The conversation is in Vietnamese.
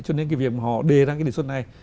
cho nên cái việc họ đề ra cái đề xuất này